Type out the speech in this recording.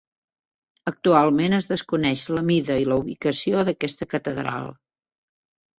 Actualment es desconeix la mida i la ubicació d'aquesta catedral.